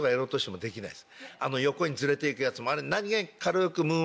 あの横にずれて行くやつもあれ何げに軽く。